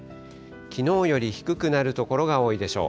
きのうより低くなる所が多いでしょう。